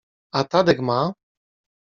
— A Tadek ma?